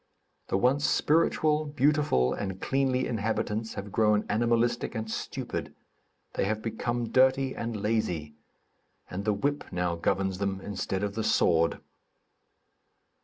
The once spiritual, beautiful and cleanly inhabitants have grown animalistic and stupid; they have become dirty and lazy; and the whip now governs them, instead of the sword.